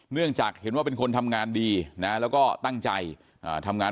เนื่องจากเห็นว่าเป็นคนทำงานดีนะแล้วก็ตั้งใจทำงาน